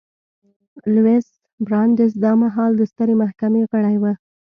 لویس براندیز دا مهال د سترې محکمې غړی و.